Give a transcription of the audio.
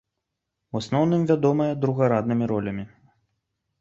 У асноўным вядомая другараднымі ролямі.